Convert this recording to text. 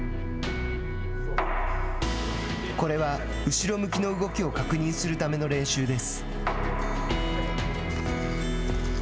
これは後ろ向きの動きを確認するための練習です。